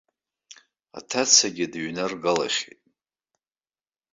Аҭацагьы дыҩнаргалахьеит.